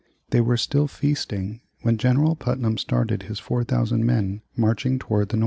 They were still feasting when General Putnam started his 4,000 men marching toward the north.